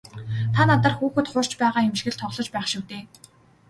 Та надаар хүүхэд хуурч байгаа юм шиг л тоглож байх шив дээ.